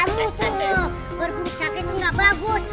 kamu tuh berbunuh sakit itu tidak bagus